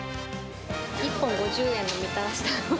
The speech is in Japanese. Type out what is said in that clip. １本５０円のみたらしだんご。